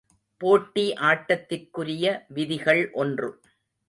போட்டி ஆட்டத்திற்குரிய விதிகள் ஒன்று.